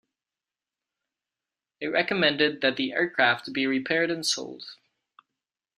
It recommended that the aircraft be repaired and sold.